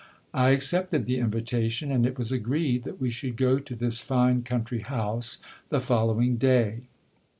I accepted the invitation, and it was agreed that we should go to this fine country house the following day.